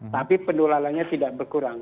tapi penularannya tidak berkurang